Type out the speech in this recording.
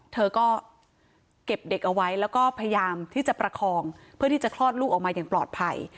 เธอก็เก็บเด็กเอาไว้แล้วก็พยายามที่จะประคองเพื่อที่จะคลอดลูกออกมาอย่างปลอดภัย